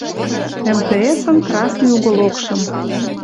МТС-ын красный уголокшым